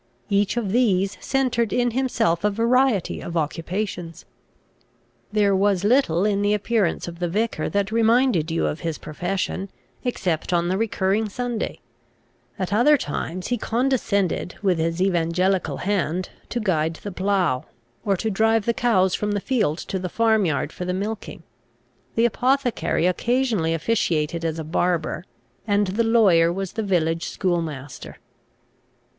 Each of these centred in himself a variety of occupations. There was little in the appearance of the vicar that reminded you of his profession, except on the recurring Sunday. At other times he condescended, with his evangelical hand to guide the plough, or to drive the cows from the field to the farm yard for the milking. The apothecary occasionally officiated as a barber, and the lawyer was the village schoolmaster.